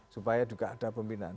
supaya juga ada pembinaan